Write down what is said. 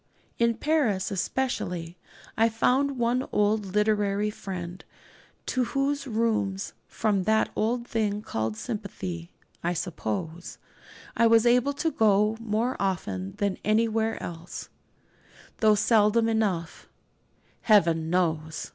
In Paris especially I found one old literary friend, to whose rooms from that odd thing called sympathy, I suppose I was able to go more often than anywhere else, though seldom enough, Heaven knows!